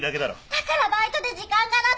だからバイトで時間がなくて！